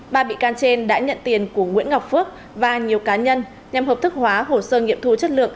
ba bị can trên đã nhận tiền của nguyễn ngọc phước và nhiều cá nhân nhằm hợp thức hóa hồ sơ nghiệm thu chất lượng